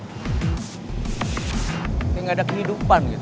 kayak gak ada kehidupan gitu